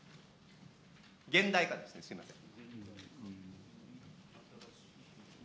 現代化ですね、すみません。